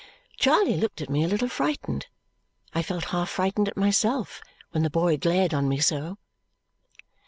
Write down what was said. Charley looked at me a little frightened. I felt half frightened at myself when the boy glared on me so.